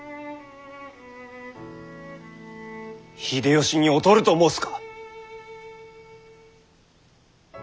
秀吉に劣ると申すか。